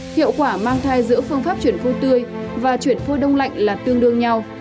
hiệu quả mang thai giữa phương pháp chuyển khô tươi và chuyển phôi đông lạnh là tương đương nhau